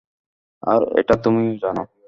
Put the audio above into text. আর এটা তুমিও জানো।